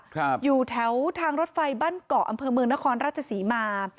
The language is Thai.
ครับอยู่แถวทางรถไฟบ้านเกาะอำเภอเมืองนครราชศรีมา